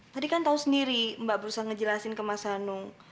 tadi kan tahu sendiri mbak berusaha ngejelasin ke mas hanung